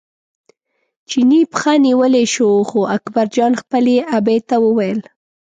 چیني پښه نیولی شو خو اکبرجان خپلې ابۍ ته وویل.